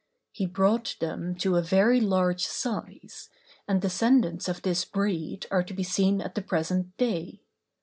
He brought them to a very large size, and descendants of this breed are to be seen at the present day.